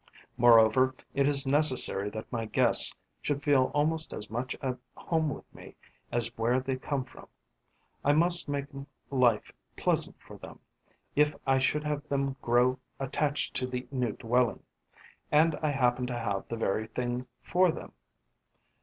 Moreover, it is necessary that my guests should feel almost as much at home with me as where they come from. I must make life pleasant for them, if I should have them grow attached to the new dwelling. And I happen to have the very thing for them.